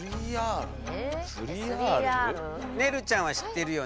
ねるちゃんは知ってるよね。